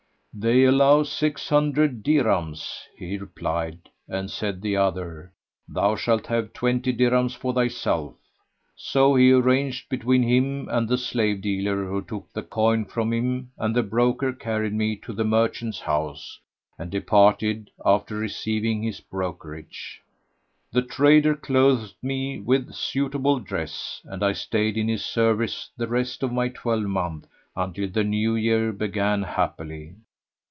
"They allow six hundred dirhams," he replied; and said the other, "Thou shalt have twenty dirhams for thyself." So he arranged between him and the slave dealer who took the coin from him and the broker carried me to the merchant's house and departed, after receiving his brokerage. The trader clothed me with suitable dress, and I stayed in his service the rest of my twelvemonth, until the new year began happily.